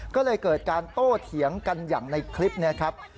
ก็เลยเกิดการโต้เถียงกันอย่างในคลิปนี้ครับ